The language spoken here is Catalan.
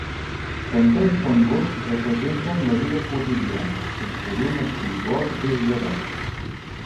Pantà i fangós representen la vida quotidiana, sense llum espiritual des de dalt.